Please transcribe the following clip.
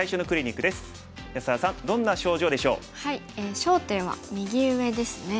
焦点は右上ですね。